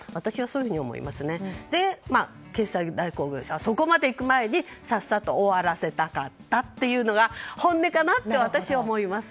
そして決済代行業者はそこまで行く前にさっさと終わらせたかったというのが本音かなと私は思います。